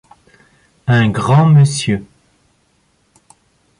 Un grand Monsieur.